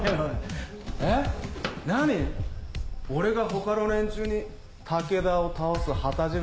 俺が他の連中に武田を倒す旗印